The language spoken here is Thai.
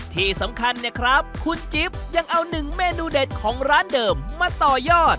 ที่สำคัญเนี่ยครับคุณจิ๊บยังเอาหนึ่งเมนูเด็ดของร้านเดิมมาต่อยอด